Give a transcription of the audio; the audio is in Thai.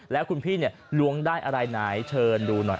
แล้วคุณพี่ล้วงได้อะไรไหนเชิญดูหน่อย